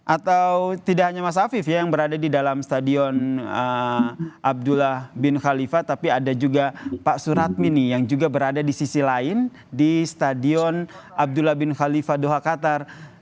atau tidak hanya mas afif yang berada di dalam stadion abdullah bin khalifah tapi ada juga pak surat mini yang juga berada di sisi lain di stadion abdullah bin khalifa doha qatar